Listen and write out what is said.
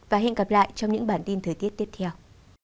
và hẹn gặp lại trong những bản tin thời tiết tiếp theo